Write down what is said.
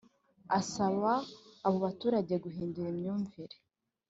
Asaba abo baturage guhindura imyumvire